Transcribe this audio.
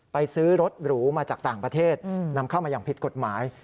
ซื้อรถหรูมาจากต่างประเทศนำเข้ามาอย่างผิดกฎหมาย